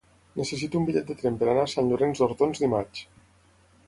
Necessito un bitllet de tren per anar a Sant Llorenç d'Hortons dimarts.